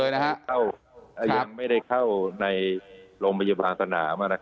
ยังไม่ได้เข้าในโรงพยาบาลสนาม